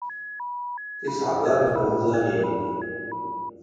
ⵜⵉⵙⵄⴹⴰⵔ ⵏ ⴱⵓ ⵓⵥⴰⵍⵉⵎ!